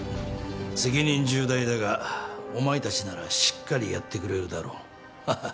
責任重大だがお前たちならしっかりやってくれるだろう。ハハハ。